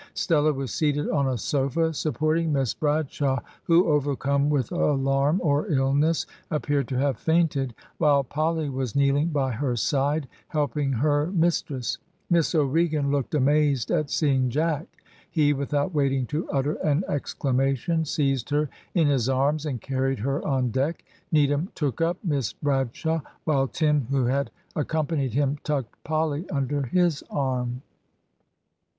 Stella was seated on a sofa, supporting Miss Bradshaw, who, overcome with alarm or illness, appeared to have fainted, while Polly was kneeling by her side, helping her mistress. Miss O'Regan looked amazed at seeing Jack. He, without waiting to utter an exclamation, seized her in his arms, and carried her on deck. Needham took up Miss Bradshaw, while Tim, who had accompanied him, tucked Polly under his arm.